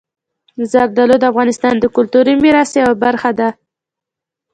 زردالو د افغانستان د کلتوري میراث یوه برخه ده.